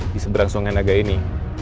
di seberang sungai naga ini